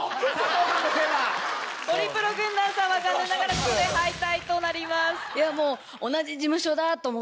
ホリプロ軍団さんは残念ながらここで敗退となります。